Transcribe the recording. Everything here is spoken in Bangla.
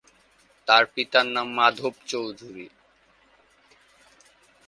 তার পিতার নাম মাধব চৌধুরী।